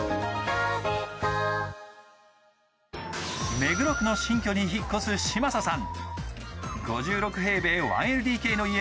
目黒区の新居に引っ越す嶋佐さん。